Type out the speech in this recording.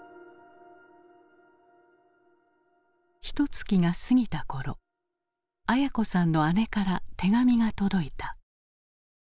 ひとつきが過ぎた頃文子さんの姉から手紙が届いた。